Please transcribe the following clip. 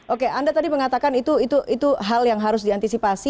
oke anda tadi mengatakan itu hal yang harus diantisipasi